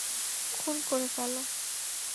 খুন করে ফেল!